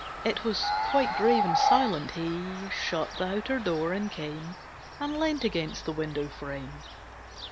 It was quite grave and silent. He Shut the outer door and came And leant against the window frame.